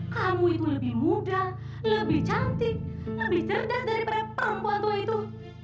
kamu itu lebih muda lebih cantik lebih cerdas daripada perempuan tua itu